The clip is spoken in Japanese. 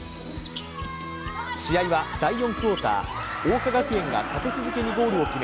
試合は第４クオーター、桜花学園が立て続けにゴールを決め